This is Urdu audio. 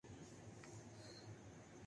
تو اس کا فورا مقابلہ کیا جائے گا۔